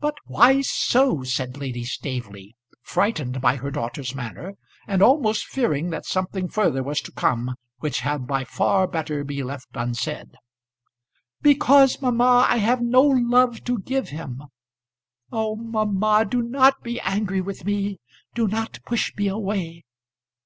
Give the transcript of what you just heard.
"But why so?" said Lady Staveley, frightened by her daughter's manner, and almost fearing that something further was to come which had by far better be left unsaid. "Because, mamma, I have no love to give him. Oh, mamma, do not be angry with me; do not push me away.